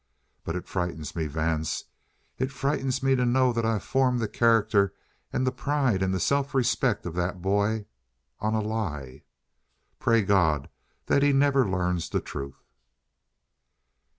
But it frightens me, Vance. It frightens me to know that I've formed the character and the pride and the self respect of that boy on a lie! Pray God that he never learns the truth!"